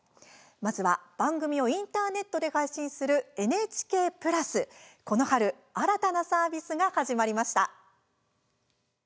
まずは、番組をインターネットで配信する「ＮＨＫプラス」この春新たなサービスが始まりました。